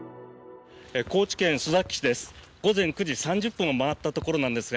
高知県須崎市です。